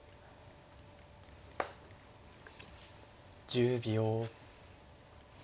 １０秒。